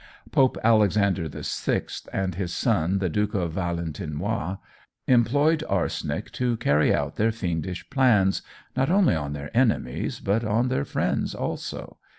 Pope Alexander VI and his son the Duke Valentinois employed arsenic to carry out their fiendish plans, not only on their enemies, but their friends also.